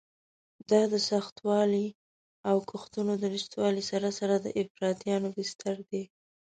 دا د سختوالي او کښتونو د نشتوالي سره سره د افراطیانو بستر دی.